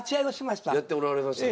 やっておられましたか。